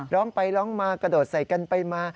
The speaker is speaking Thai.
ร้องไปร้องมากระโดดใส่กันไปมา